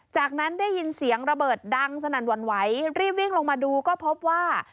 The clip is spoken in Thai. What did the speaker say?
จากนั้นได้ยินเสียงระเบิดดังสนั่นหวั่นไหวรีบวิ่งลงมาดูก็พบว่า